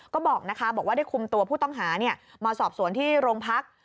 ก็บอกนะคะบอกว่าได้คุมตัวผู้ต้องหามาสอบสวนที่โรงพัก